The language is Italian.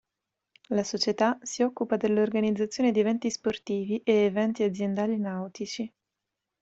La società si occupa dell'organizzazione di eventi sportivi e eventi aziendali nautici.